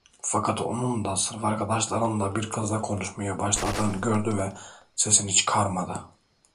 Fakat onun da sınıf arkadaşlarından bir kızla konuşmaya başladığını gördü ve sesini çıkarmadı.